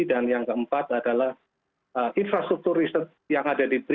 dan yang keempat adalah infrastruktur riset yang ada di brin